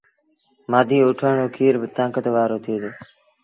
مآڌيٚ اُٺڻ رو کير با تآنڪت وآرو ٿئي دو۔